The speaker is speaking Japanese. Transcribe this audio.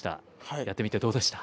やってみてどうでした。